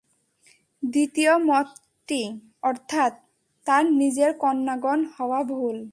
দ্বিতীয় মতটি অর্থাৎ তাঁর নিজের কন্যাগণ হওয়া ভুল।